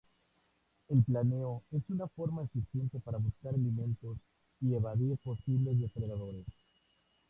El planeo es una forma eficiente para buscar alimentos y evadir posibles depredadores.